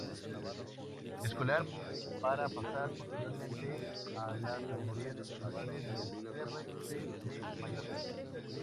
Escolar, para pasar, posteriormente, a las categorías inferiores del R. C. D. Mallorca.